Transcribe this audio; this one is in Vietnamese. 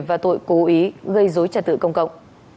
và tội cố ý gây dối trật tự công cộng